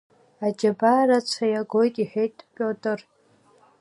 Аџьабаа рацәа иагоит, – иҳәеит Пиотр.